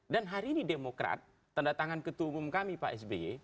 dan hari ini demokrat tanda tangan ketua umum kami pak sby